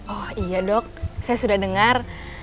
oh iya dok saya sudah dengar